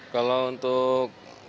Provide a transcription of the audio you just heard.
kalau untuk kami